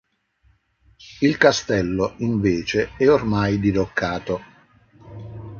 Il castello, invece, è ormai diroccato.